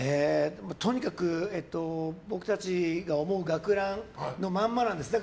とにかく僕たちが思う学ランのまんまなんです。